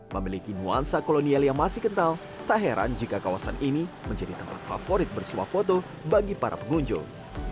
memiliki nuansa kolonial yang masih kental tak heran jika kawasan ini menjadi tempat favorit bersuah foto bagi para pengunjung